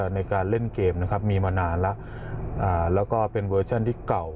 ในการเล่นเกมนะครับมีมานานแล้วแล้วก็เป็นเวอร์ชั่นที่เก่า